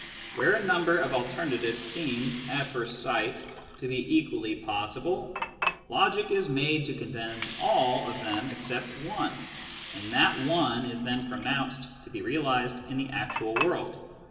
Where a number of alternatives seem, at first sight, to be equally possible, logic is made to condemn all of them except one, and that one is then pronounced to be realised in the actual world.